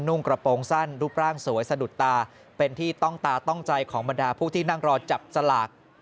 กระโปรงสั้นรูปร่างสวยสะดุดตาเป็นที่ต้องตาต้องใจของบรรดาผู้ที่นั่งรอจับสลาก